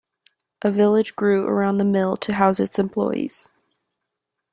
A village grew around the mill to house its employees.